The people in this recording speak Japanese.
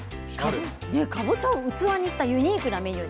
かぼちゃを器にしたユニークなメニュー。